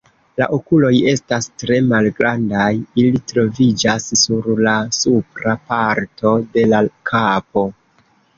La okuloj estas tre malgrandaj, ili troviĝas sur la supra parto de la kapo.